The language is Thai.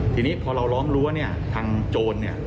ทีเนี้ยพอเราร้อมรู้ว่าทางโจร